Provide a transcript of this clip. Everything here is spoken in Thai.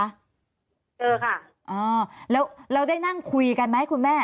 ตอนที่จะไปอยู่โรงเรียนจบมไหนคะ